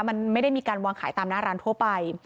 มันไม่ได้มีการวางขายตามหน้าร้านทั่วไป